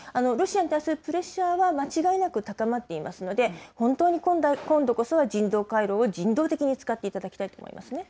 ロシアに対するプレッシャーは間違いなく高まっていますので、本当に今度こそは人道回廊を人道的に使っていただきたいと思います